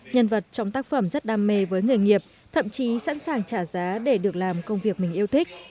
nhân vật trong tác phẩm rất đam mê với nghề nghiệp thậm chí sẵn sàng trả giá để được làm công việc mình yêu thích